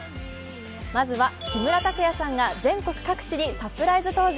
まずは、木村拓哉さんが全国各地にサプライズ登場。